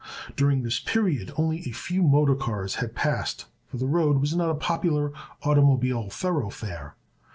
During this period only a few motor cars had passed, for the road was not a popular automobile thoroughfare.